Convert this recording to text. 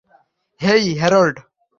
হেই, Harold!